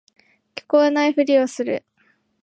聞こえないふりをする